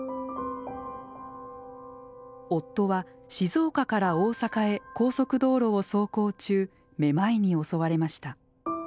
夫は静岡から大阪へ高速道路を走行中めまいに襲われました。